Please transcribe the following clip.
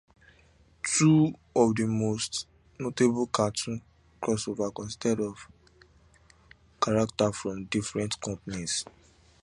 Two of the most notable cartoon crossovers consisted of characters from different companies.